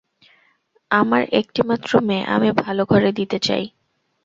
আমার একটিমাত্র মেয়ে, আমি ভালো ঘরে দিতে চাই।